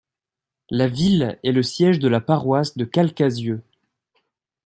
La ville est le siège de la paroisse de Calcasieu.